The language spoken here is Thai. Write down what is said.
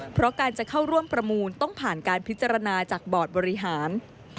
เพราะการจะเข้าร่วมประมูลต้องผ่านการพิจารณาจากบอร์ดบริหาร